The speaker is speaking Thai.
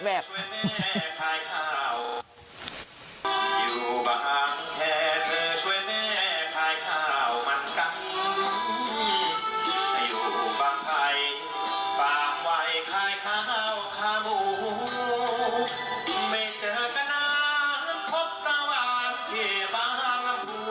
ไม่เจอกันนะพบชั้นบ้าน